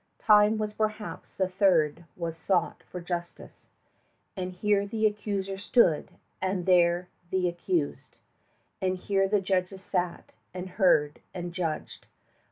Time was perhaps the third was sought for justice; 10 And here the accuser stood, and there the accused, And here the judges sat, and heard, and judged.